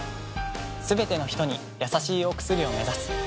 すべてのひとにやさしいお薬を目指す。